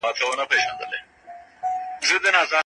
خپل هدف ته ورسیږئ.